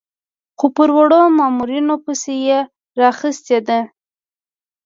خو پر وړو مامورینو پسې یې راخیستې ده.